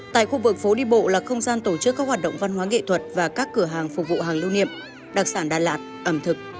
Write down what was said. tại khu vực phố đi bộ là không gian tổ chức các hoạt động văn hóa nghệ thuật và các cửa hàng phục vụ hàng lưu niệm đặc sản đà lạt ẩm thực